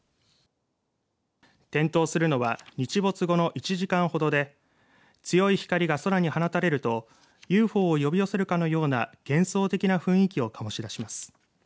点灯するのは日没後の１時間ほどで強い光が空に放たれるとＵＦＯを呼び寄せるかのような幻想的な雰囲気を醸し出します。